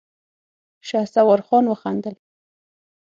شهسوار خان وخندل.